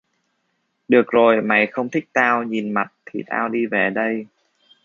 Được rồi mày không thích tao nhìn mặt thì tao đi về đây